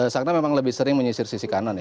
sakna memang lebih sering menyisir sisi kanan ya